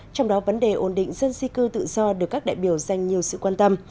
trong đó vấn đề ổn định dân di cư tự do được các đại biểu dành nhiều sự quan tâm